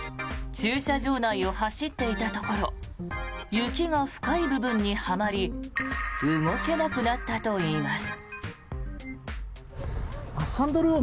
駐車場内を走っていたところ雪が深い部分にはまり動けなくなったといいます。